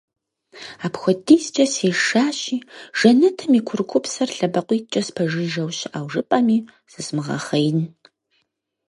Апхуэдизкӏэ сешащи Жэнэтым и курыкупсэр лъэбакъуиткӏэ спэжыжэу щыӏэу жыпӏэми зызмыгъэхъеин.